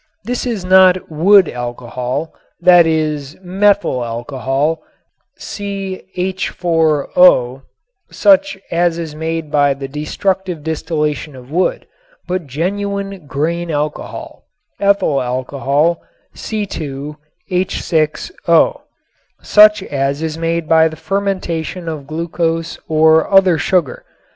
This is not "wood alcohol" (that is, methyl alcohol, CH_O) such as is made by the destructive distillation of wood, but genuine "grain alcohol" (ethyl alcohol, C_H_O), such as is made by the fermentation of glucose or other sugar.